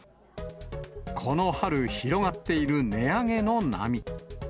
この春、広がっている値上げの波。